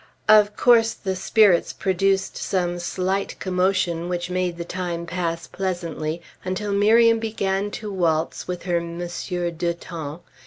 Of course, the Spirits produced some slight commotion which made the time pass pleasantly until Miriam began to waltz with her Monsieur Deux Temps.